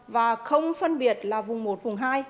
và không phân biệt là vùng một vùng hai